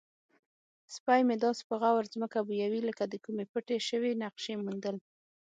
سپی مې داسې په غور ځمکه بویوي لکه د کومې پټې شوې نقشې موندل.